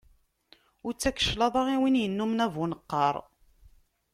Ur ttak cclaḍa i win innumen abuneqqaṛ.